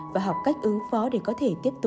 và học cách ứng phó để có thể tiếp tục